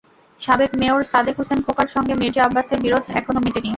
সাবেক মেয়র সাদেক হোসেন খোকার সঙ্গে মির্জা আব্বাসের বিরোধ এখনো মেটেনি।